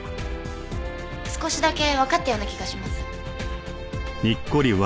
少しだけわかったような気がします。